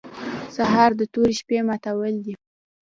سهار د تورې شپې ماتول دي.